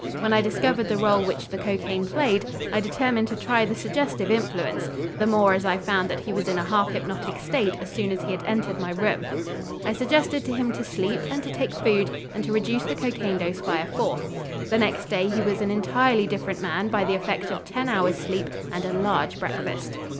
When I discovered the rôle which the cocaine played, I determined to try the suggestive influence, the more as I found that he was in a half hypnotic state as soon as he had entered my room. I suggested to him to sleep and to take food and to reduce the cocaine dose by a fourth. The next day he was an entirely different man by the effect of ten hours' sleep and a large breakfast.